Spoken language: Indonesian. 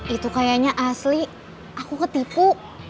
itu kayaknya asli aku ketipu